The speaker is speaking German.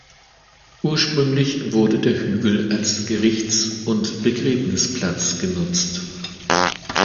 Ursprünglich wurde der Hügel als Gerichts- und Begräbnisplatz genutzt.